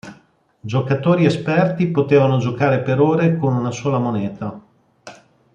Giocatori esperti potevano giocare per ore con una sola moneta.